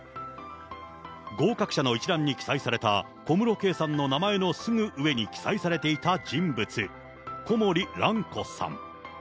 合格者の一覧に記載された、小室圭さんの名前のすぐ上に記載されていた人物、コモリ・ランコさん。